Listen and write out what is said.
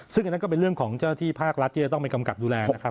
ซึ่งอันนั้นก็เป็นเรื่องของเจ้าที่ภาครัฐที่จะต้องไปกำกับดูแลนะครับ